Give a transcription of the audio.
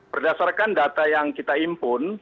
berdasarkan data yang kita impun